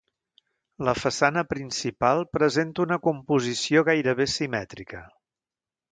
La façana principal presenta una composició gairebé simètrica.